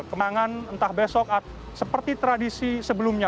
kemenangan entah besok atau seperti tradisi sebelumnya